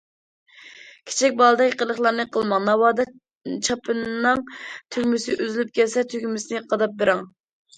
كىچىك بالىدەك قىلىقلارنى قىلماڭ، ناۋادا چاپىنىنىڭ تۈگمىسى ئۈزۈلۈپ كەتسە، تۈگمىسىنى قاداپ بېرىڭ.